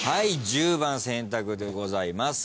１０番選択でございます。